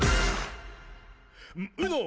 「ウノ！